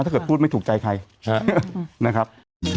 ถ้าเกิดพูดไม่ถูกใจใครนะครับ